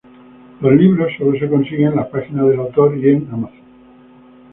Los libros sólo se consiguen en la página del autor y en Amazon.